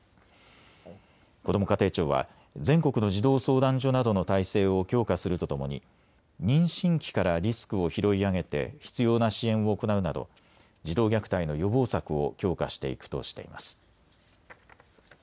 こども家庭庁は全国の児童相談所などの体制を強化するとともに妊娠期からリスクを拾い上げて必要な支援を行うなど児童虐待の予防策を強化していくとしています。